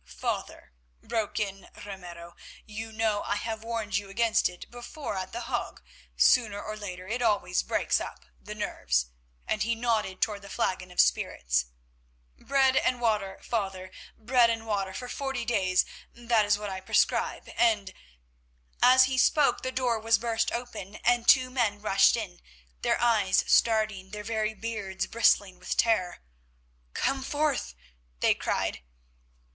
"Father," broke in Ramiro, "you know I have warned you against it before at The Hague; sooner or later it always breaks up the nerves," and he nodded towards the flagon of spirits. "Bread and water, Father, bread and water for forty days, that is what I prescribe, and——" As he spoke the door was burst open, and two men rushed in, their eyes starting, their very beards bristling with terror. "Come forth!" they cried.